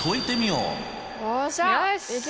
よし！